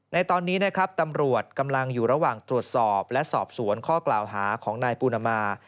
ในตอนนี้นะครับตำรวจกำลังอยู่ระหว่างตรวจสอบและสอบสวนข้อกล่าวหาของนายปูนามา